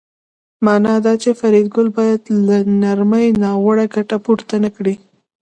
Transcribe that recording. مانا دا چې فریدګل باید له نرمۍ ناوړه ګټه پورته نکړي